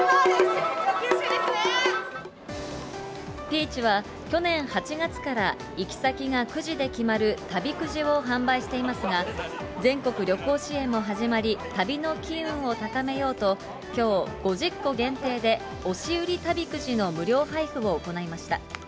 ピーチは去年８月から行き先がくじで決まる旅くじを販売していますが、全国旅行支援も始まり、旅の機運を高めようと、きょう、５０個限定で押売り旅くじの無料配布を行いました。